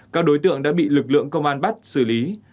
các đối tượng đã bị lực lượng công an bắt xử lý